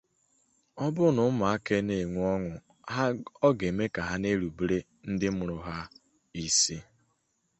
Ọ dụrụ ha ọdụ ka ha jisie ike n'ọrụ